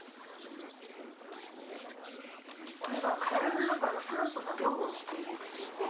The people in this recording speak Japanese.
これは体の中の酸素の量を見ているんですよね。